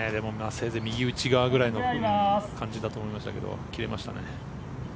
せいぜい右内側ぐらいの感じだと思いましたけど切れましたね。